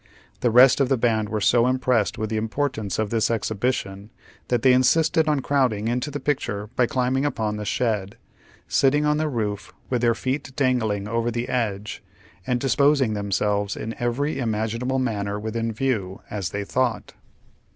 The rest of the band were so impreesed with the importance o£ this ex hibition that thej insisted on crowding into the picture by climbing upon the slied, sitting on tiie roof witli their feet dangling over the edge, and disposing theinseJves in every imaginable manner within view, as they thought.